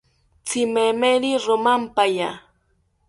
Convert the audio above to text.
Tzimemeri romampaya